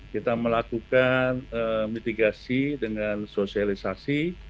kita melakukan mitigasi dengan sosialisasi